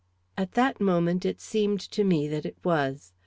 At that moment it seemed to me that it was.